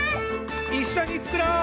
いっしょにつくろう！